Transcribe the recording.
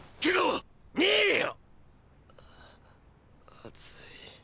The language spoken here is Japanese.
熱い。